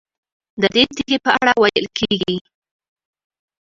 ددې تیږې په اړه ویل کېږي.